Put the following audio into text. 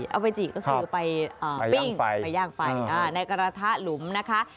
เอาไปจิก็คือไปปิ้งไปย่างไฟในกระทะหลุมนะคะ